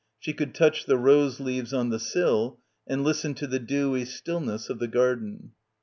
She could touch the rose leaves on the sill and listen to the dewy still ness of the garden.